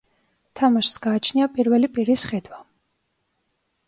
თამაშს გააჩნია პირველი პირის ხედვა.